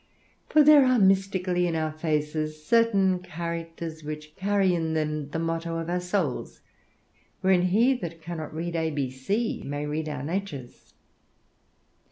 For there are mystically in our faces certain characters which carry in them the motto of our souls, wherein he that cannot read ABC may read our natures.